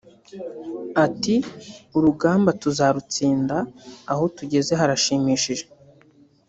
Ati “Urugamba tuzarutsinda aho tugeze harashimishije